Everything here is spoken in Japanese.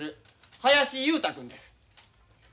林雄太です。